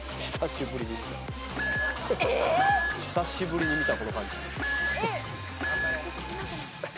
・久しぶりに見たこの感じ。